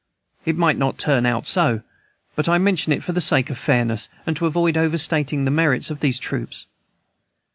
It might not turn out so; but I mention it for the sake of fairness, and to avoid overstating the merits of these troops.